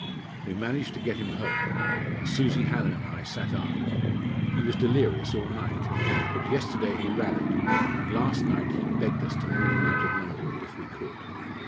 We managed to get him home, and Susie Hallin and I sat up. He was delirious all night; but yesterday he rallied, and last night he begged us to move him out of London if we could.